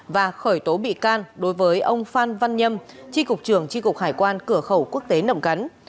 và khởi tố bị can đối với ông phan văn nhâm tri cục trưởng tri cục hải quan cửa khẩu quốc tế nậm cắn